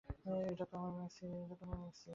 এইতো আমার ম্যাক্সি।